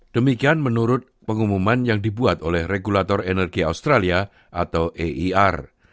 demikian menurut pengumuman yang dibuat oleh regulator energi australia atau eir